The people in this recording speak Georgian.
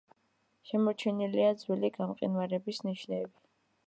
შემორჩენილია ძველი გამყინვარების ნიშნები.